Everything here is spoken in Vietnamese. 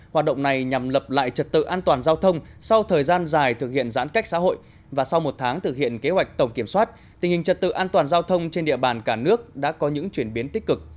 hoạt động này nhằm lập lại trật tự an toàn giao thông sau thời gian dài thực hiện giãn cách xã hội và sau một tháng thực hiện kế hoạch tổng kiểm soát tình hình trật tự an toàn giao thông trên địa bàn cả nước đã có những chuyển biến tích cực